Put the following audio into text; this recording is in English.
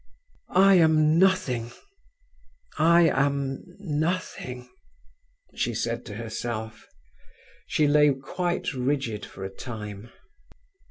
"I am nothing, I am nothing," she said to herself. She lay quite rigid for a time.